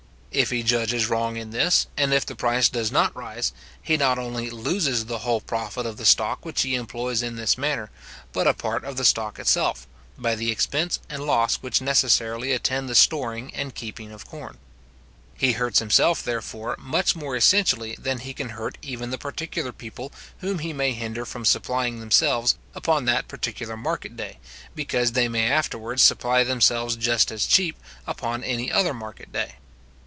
If he judges wrong in this, and if the price does not rise, he not only loses the whole profit of the stock which he employs in this manner, but a part of the stock itself, by the expense and loss which necessarily attend the storing and keeping of corn. He hurts himself, therefore, much more essentially than he can hurt even the particular people whom he may hinder from supplying themselves upon that particular market day, because they may afterwards supply themselves just as cheap upon any other market day.